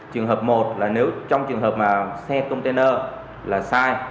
trường hợp một là nếu trong trường hợp xe container sai